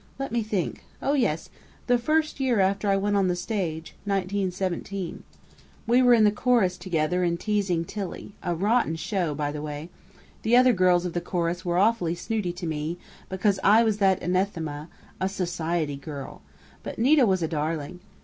"Let me think Oh, yes! The first year after I went on the stage 1917. We were in the chorus together in 'Teasing Tilly' a rotten show, by the way. The other girls of the chorus were awfully snooty to me, because I was that anathema, a 'society girl', but Nita was a darling.